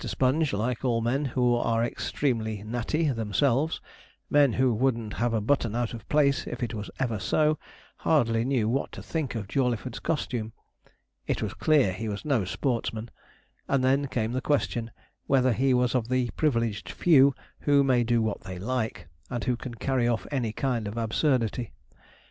Sponge, like all men who are 'extremely natty' themselves, men who wouldn't have a button out of place if it was ever so, hardly knew what to think of Jawleyford's costume. It was clear he was no sportsman; and then came the question, whether he was of the privileged few who may do what they like, and who can carry off any kind of absurdity.